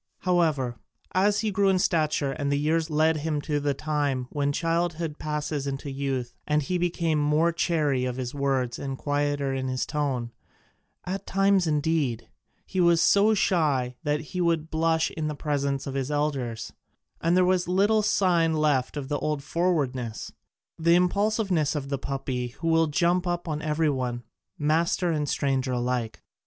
However, as he grew in stature and the years led him to the time when childhood passes into youth he became more chary of his words and quieter in his tone: at times, indeed, he was so shy that he would blush in the presence of his elders, and there was little sign left of the old forwardness, the impulsiveness of the puppy who will jump up on every one, master and stranger alike.